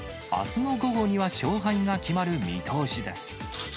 あすの午後には、勝敗が決まる見通しです。